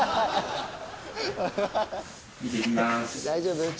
大丈夫？